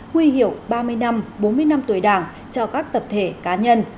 huy hiệu ba mươi năm bốn mươi năm tuổi đảng cho các tập thể cá nhân